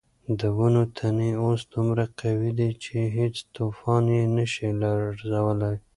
د ونو تنې اوس دومره قوي دي چې هیڅ طوفان یې نه شي لړزولی.